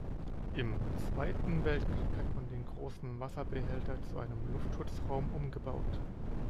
Im Zweiten Weltkrieg hat man den großen Wasserbehälter zu einem Luftschutzraum umgebaut.